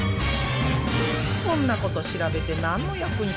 こんなこと調べて何の役に立つんだろ。